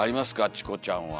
チコちゃんは。